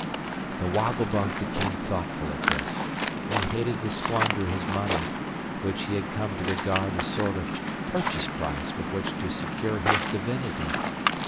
The Woggle Bug became thoughtful at this. He hated to squander his money, which he had come to regard a sort of purchase price with which to secure his divinity.